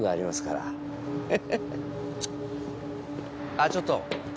あぁちょっと。